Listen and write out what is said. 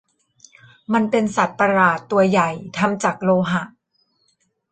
มันเป็นสัตว์ประหลาดตัวใหญ่ทำจากโลหะ